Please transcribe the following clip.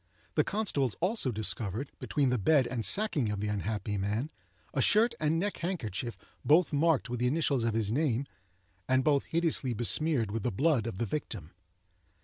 The constables, also, discovered, between the bed and sacking of the unhappy man, a shirt and neck handkerchief both marked with the initials of his name, and both hideously besmeared with the blood of the victim.